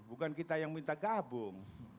bukan kita yang minta gabung